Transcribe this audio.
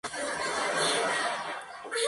Se encuentra al norte de Italia y Eslovenia.